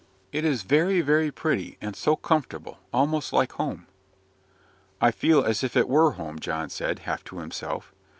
"It is very, very pretty, and so comfortable almost like home." "I feel as if it were home," John said, half to himself.